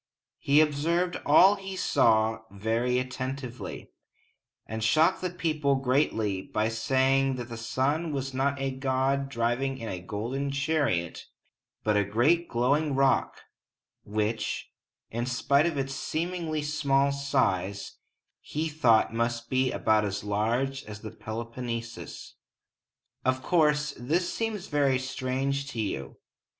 He observed all he saw very attentively, and shocked the people greatly by saying that the sun was not a god driving in a golden chariot, but a great glowing rock, which, in spite of its seemingly small size, he thought must be about as large as the Peloponnesus. Of course, this seems very strange to you.